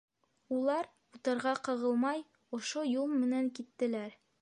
Улар, утарға ҡағылмай, ошо юл менән киттеләр.